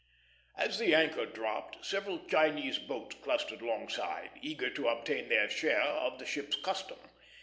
As the anchor dropped, several Chinese boats clustered alongside, eager to obtain their share of the ship's custom.